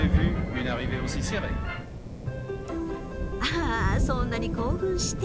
あそんなに興奮して。